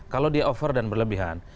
kalau dia over dan berlebihan